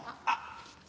あっ。